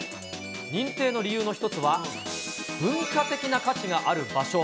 認定の理由の一つは、文化的な価値がある場所。